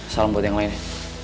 salam buat yang lainnya